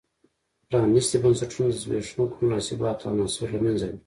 پرانیستي بنسټونه د زبېښونکو مناسباتو عناصر له منځه وړي.